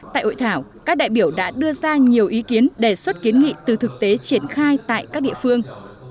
tại hội thảo các đại biểu đã đưa ra nhiều ý kiến đề xuất kiến nghị từ thực tế triển khai tại các địa phương